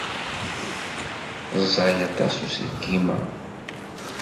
Ẓẓay aṭas uselkim-a.